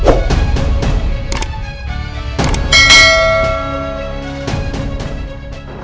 aku harus ke sana secara samantha